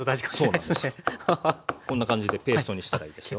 こんな感じでペーストにしたらいいですよ。